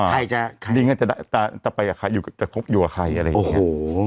ใครจะใครดิงกันจะได้ต่อไปกับใครอยู่จะคบอยู่กับใครอะไรอย่างเงี้ยโอ้โห